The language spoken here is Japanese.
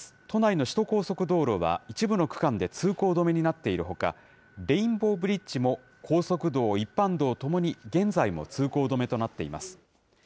都内の首都高速道路は、一部の区間で通行止めになっているほか、レインボーブリッジも高速道、一般道ともに現在も通行止めとなっています。